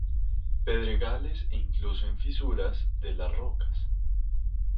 Pedregales e incluso en fisuras de las rocas.